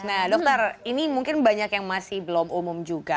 nah dokter ini mungkin banyak yang masih belum umum juga